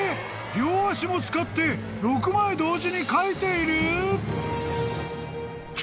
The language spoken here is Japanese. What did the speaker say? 両足も使って６枚同時に描いている！？］